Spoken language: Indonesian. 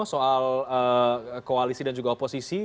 soal koalisi dan juga oposisi